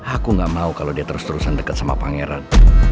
aku gak mau kalau dia terus terusan dekat sama pangeran